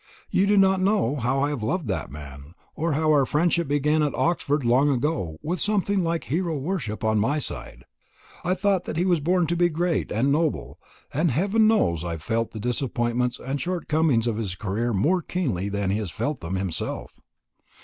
You do not know how I have loved that man, or how our friendship began at Oxford long ago with something like hero worship on my side. I thought that he was born to be great and noble; and heaven knows I have felt the disappointments and shortcomings of his career more keenly than he has felt them himself.